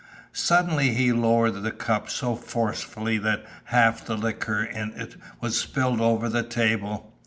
Suddenly he lowered the cup so forcefully that half the liquor in it was spilled over the table.